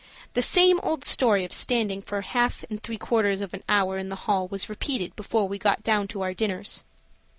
The same old story of standing for a half and three quarters of an hour in the hall was repeated before we got down to our dinners.